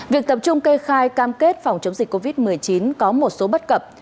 việc tập trung kê khai cam kết phòng chống dịch covid một mươi chín có một số bất cập